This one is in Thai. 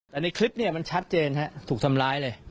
แต่ในคลิปเนี่ยมันชัดเจนถูกทำร้ายเลย